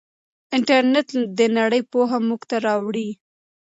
انټرنیټ د نړۍ پوهه موږ ته راوړي.